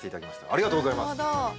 ありがとうございます。